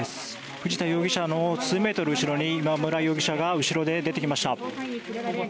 藤田容疑者の数メートル後ろに今村容疑者が後ろで出てきました。